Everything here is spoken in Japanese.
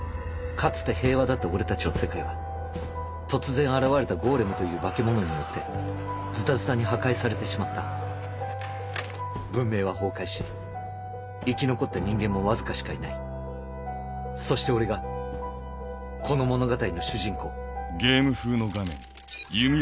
かつて平和だった俺たちの世界は突然現れたゴーレムという化け物によってずたずたに破壊されてしまった文明は崩壊し生き残った人間もわずかしかいないそして俺がこの物語の主人公ウワァ！